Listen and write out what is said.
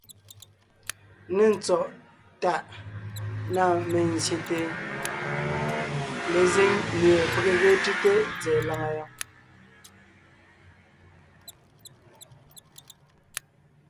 Nê tsɔ̌ tàʼ na mezsyète lezíŋ mie pege ge tʉ́te tsɛ̀ɛ làŋa yɔɔn.